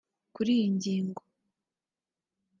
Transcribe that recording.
Kuri iyi ngingo